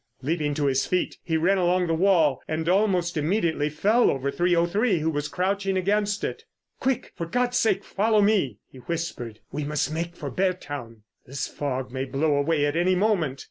Leaping to his feet he ran along the wall, and almost immediately fell over 303, who was crouching against it. "Quick, for God's sake follow me!" he whispered. "We must make for Beardown. This fog may blow away at any moment."